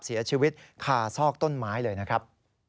เสียชีวิตคาซอกต้นไม้เลยนะครับ